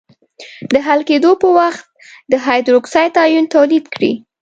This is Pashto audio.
د حل کېدو په وخت د هایدروکساید آیون تولید کړي.